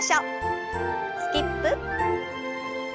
スキップ。